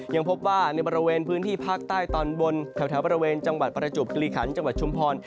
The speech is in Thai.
ยังพบว่าในบริเวณพื้นที่ภาคใต้ตอนบนแถวบริเวณจังหวัดประจวบคิริขันจังหวัดชุมพร